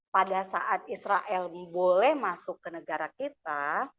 pada saat israel boleh masuk ke negara kita